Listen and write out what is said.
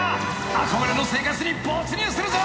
［憧れの生活に没入するぞ］